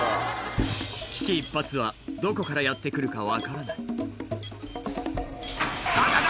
危機一髪はどこからやって来るか分からない「あらららら」